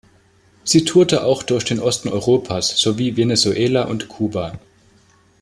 Sie tourte auch durch den Osten Europas sowie Venezuela und Kuba.